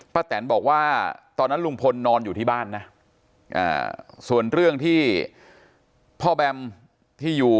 แตนบอกว่าตอนนั้นลุงพลนอนอยู่ที่บ้านนะส่วนเรื่องที่พ่อแบมที่อยู่